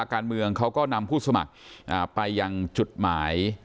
การเมืองเขาก็นำผู้สมัครไปยังจุดหมาย